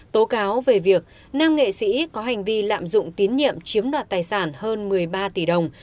tố cáo về việc nam nghệ sĩ có hành vi lạm dụng tín nhiệm chiếm đoạt tài sản hơn một mươi ba tỷ đồng